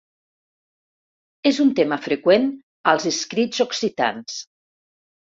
És un tema freqüent als escrits occitans.